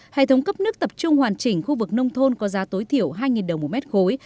hệ thống cấp nước tập trung hoàn chỉnh khu vực nông thôn có giá tối thiểu hai đồng một mét khối